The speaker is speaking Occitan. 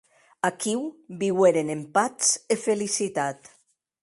Aquiu viueren en patz e felicitat.